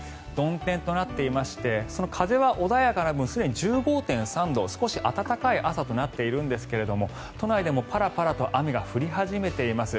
曇天となっていましてその風は穏やかな分すでに１５．３度少し暖かい朝となっているんですが都内でもパラパラと雨が降り始めています。